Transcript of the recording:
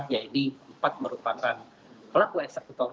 yaitu empat merupakan pelaku eksekutor